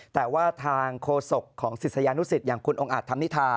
แต่ว่าทางโฆษกของศิษยานุสิตอย่างคุณองค์อาจธรรมนิธา